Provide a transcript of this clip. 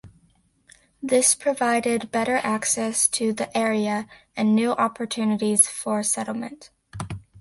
This provided better access to the area and new opportunities for settlement.